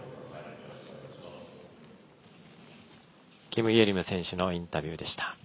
キム・イェリム選手のインタビューでした。